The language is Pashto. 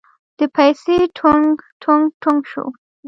دې پسې ټونګ ټونګ ټونګ شو.